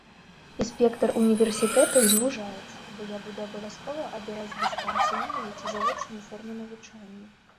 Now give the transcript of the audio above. І спектр універсітэтаў звужаецца, бо я буду абавязкова абіраць дыстанцыйную ці завочную форму навучання.